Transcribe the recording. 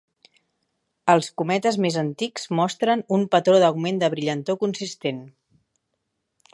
Els cometes més antics mostren un patró d'augment de brillantor consistent.